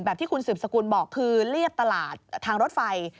ที่คุณสืบสกุลบอกคือเรียบตลาดทางรถไฟ